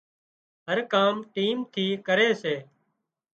هر ڪام ٽيم ٿي ڪري سي